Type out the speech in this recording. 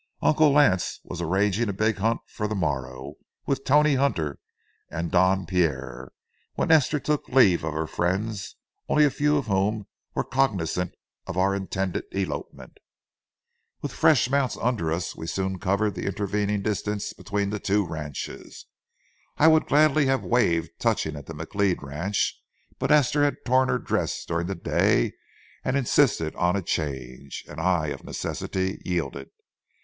Uncle Lance was arranging a big hunt for the morrow with Tony Hunter and Don Pierre, when Esther took leave of her friends, only a few of whom were cognizant of our intended elopement. With fresh mounts under us, we soon covered the intervening distance between the two ranches. I would gladly have waived touching at the McLeod ranch, but Esther had torn her dress during the day and insisted on a change, and I, of necessity, yielded.